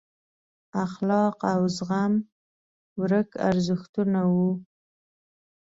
اخلاق او زغم ورک ارزښتونه وو.